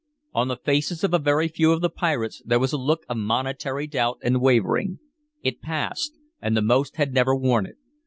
On the faces of a very few of the pirates there was a look of momentary doubt and wavering; it passed, and the most had never worn it.